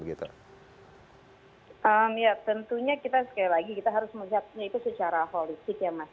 ya tentunya kita sekali lagi kita harus melihatnya itu secara politik ya mas